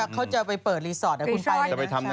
เขาจะไปเปิดรีสอร์ตเดี๋ยวพี่ไปยังไงนะ